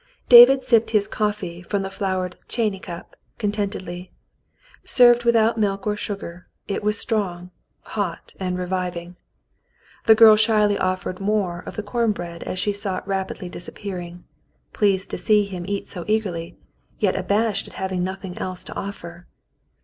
David sipped his coffee from the flowered "chany cup" contentedly. Served without milk or sugar, it was strong, hot, and reviving. The girl shyly offered more of the corn bread as she saw it rapidly disappearing, pleased to see him eat so eagerly, yet abashed at having nothing else to offer.